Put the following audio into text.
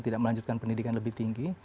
tidak melanjutkan pendidikan lebih tinggi